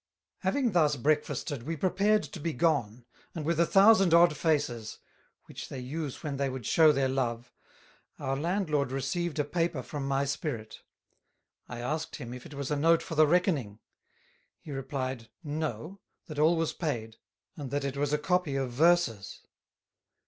Having thus Breakfasted we prepared to be gone, and with a Thousand odd Faces, which they use when they would shew their Love, our Landlord received a Paper from my Spirit. I asked him, if it was a Note for the Reckoning? He replied, No, that all was paid, and that it was a Copy of Verses.